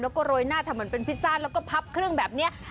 แล้วก็โรยหน้าทำเหมือนเป็นพิซซ่าแล้วก็พับเครื่องแบบนี้